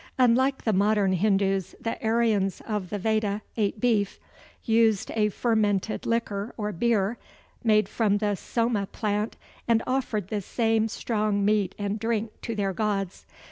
Unlike the modern Hindus, the Aryans of the Veda ate beef; used a fermented liquor or beer, made from the soma plant; and offered the same strong meat and drink to their gods.